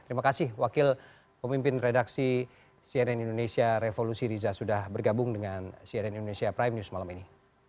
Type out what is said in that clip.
terima kasih wakil pemimpin redaksi cnn indonesia revolusi riza sudah bergabung dengan cnn indonesia prime news malam ini